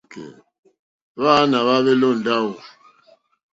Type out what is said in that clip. Hwáǎnà hwáhwélì ó ndáwò.